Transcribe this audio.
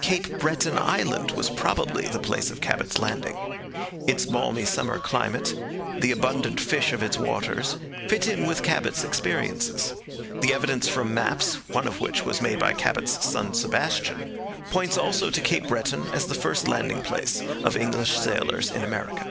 Cape Breton island was probably the place of Cabot's landing. Its balmy summer climate, the abundant fish of its waters, fit in with Cabot's experiences. The evidence from maps, one of which was made by Cabot's son Sebastian, points also to Cape Breton as the first landing place of English sailors in America.